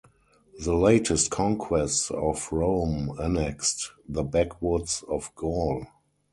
The latest conquests of Rome annexed the backwoods of Gaul.